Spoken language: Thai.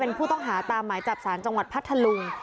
เป็นผู้ต้องหาตามหมายจับสารจังหวัดพัทธลุง